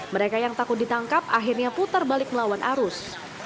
mereka yang takut ditangkap akhirnya putar balik melawan arus